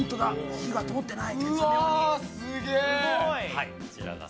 火が通ってない。